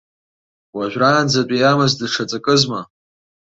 Уажәраанӡатәи иамаз даҽа ҵакызма?